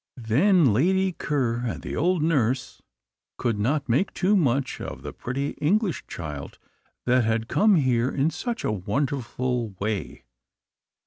Then Lady Ker and the old nurse could not make too much of the pretty English child that had come here in such a wonderful way.